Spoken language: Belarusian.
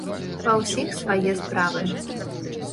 Ва ўсіх свае справы.